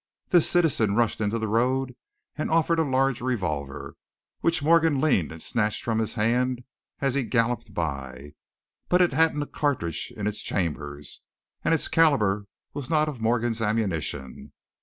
This citizen rushed into the road and offered a large revolver, which Morgan leaned and snatched from his hand as he galloped by. But it hadn't a cartridge in its chambers, and its caliber was not of Morgan's ammunition.